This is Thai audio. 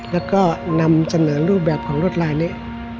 แล้วก็นำเสนอรูปแบบของรถลายนี้